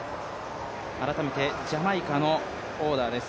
改めてジャマイカのオーダーです。